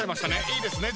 いいですね？